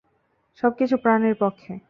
সবকিছু প্রাণের পক্ষে!